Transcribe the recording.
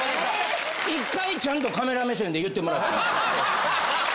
１回ちゃんとカメラ目線で言ってもらっていい？